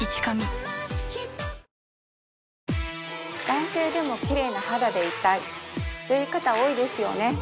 男性でもきれいな肌でいたいという方多いですよね